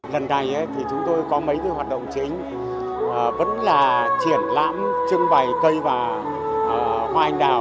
lần này thì chúng tôi có mấy cái hoạt động chính vẫn là triển lãm trưng bày cây và hoa anh đào